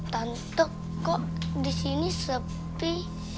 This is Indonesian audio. tante kok di sini sepi